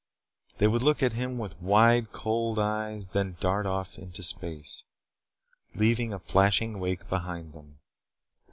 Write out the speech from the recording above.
They would look at him with wide, cold eyes and then dart off into space, leaving a flashing wake behind them.